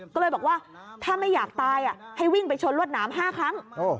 ก็เลยบอกว่าถ้าไม่อยากตายให้วิ่งไปชนรวดหนาม๕ครั้ง